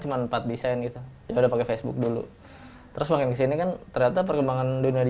jangan lupa like share subscribe